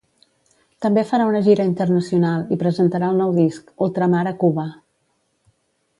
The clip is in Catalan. També farà una gira internacional i presentarà el nou disc, Ultramar a Cuba.